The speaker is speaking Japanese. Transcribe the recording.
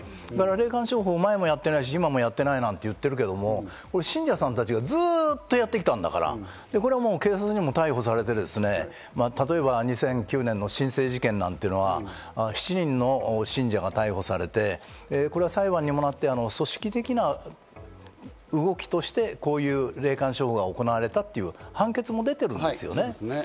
霊感商法は前もやってないし、今もやってないなんて言ってるけど、信者さんたちがずっとやってきたんだから、警察にも逮捕されて、例えば２００９年のしんせい事件なんていうのは７人の信者が逮捕されて、裁判にもなって組織的な動きとしてこういう霊感商法が行われたっていう判決も出てるんです。